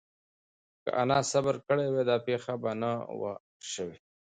که انا صبر کړی وای، دا پېښه به نه وه شوې.